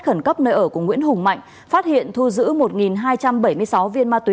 khẩn cấp nơi ở của nguyễn hùng mạnh phát hiện thu giữ một hai trăm bảy mươi sáu viên ma túy